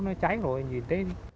nó cháy rồi nhìn thấy